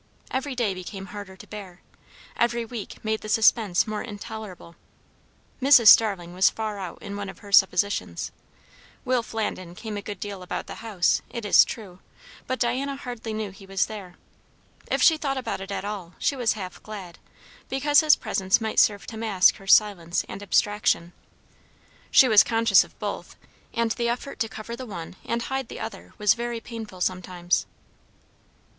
Every day became harder to bear; every week made the suspense more intolerable. Mrs. Starling was far out in one of her suppositions. Will Flandin came a good deal about the house, it is true; but Diana hardly knew he was there. If she thought about it at all, she was half glad, because his presence might serve to mask her silence and abstraction. She was conscious of both, and the effort to cover the one and hide the other was very painful sometimes.